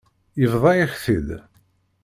Yebḍa-yak-t-id.